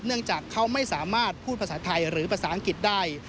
เนื่องจากเขาไม่สามารถพูดภาษาไทยหรือภาษาอังกฤษได้